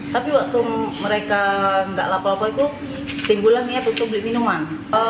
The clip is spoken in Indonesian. tapi waktu mereka gak lapa lapa itu timbulan niat harus publik minuman